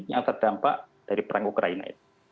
yang terdampak dari perang ukraina itu